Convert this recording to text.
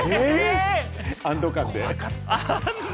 安堵感で。